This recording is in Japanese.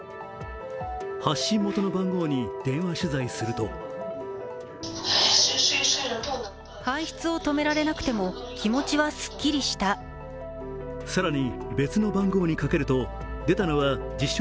発信元の番号に電話取材すると更に別の番号にかけると出たのは自称